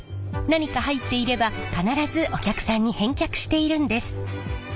何か入っていれば必ずお客さんに返却しているんです。